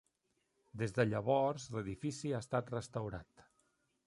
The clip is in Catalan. Des de llavors l'edifici ha estat restaurat.